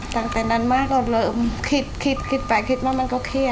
ตั้งแต่นั้นมาก็เริ่มคิดคิดไปคิดมามันก็เครียด